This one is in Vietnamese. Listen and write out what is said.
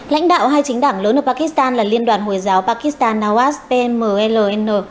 lãnh đạo hai chính đảng lớn ở pakistan là liên đoàn hồi giáo pakistan nawaz pmln